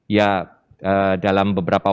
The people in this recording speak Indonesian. ya dalam beberapa